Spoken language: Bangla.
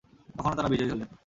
কখনো তারা বিজয়ী হলেন।